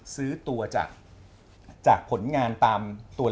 แมทตอนที่จอดันไทยเนสซันโดนใบแดง